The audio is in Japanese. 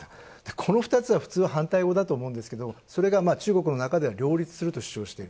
この２つは普通、反対語だと思うんですが、それが中国の中では両立すると主張する。